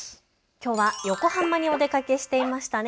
きょうは横浜にお出かけしていましたね。